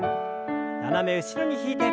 斜め後ろに引いて。